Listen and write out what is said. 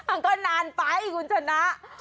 มันก็นานไปคุณชนะ